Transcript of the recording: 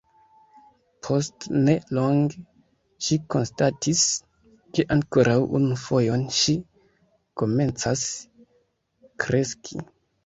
Post ne longe ŝi konstatis ke ankoraŭ unu fojon ŝi komencas kreski.